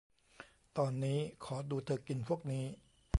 ตอนนี้ขอดูเธอกินพวกนี้